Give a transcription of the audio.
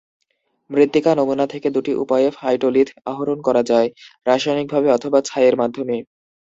মৃত্তিকা নমুনা থেকে দুটি উপায়ে ফাইটোলিথ আহরণ করা যায়: রাসায়নিকভাবে অথবা ছাইয়ের মাধ্যমে।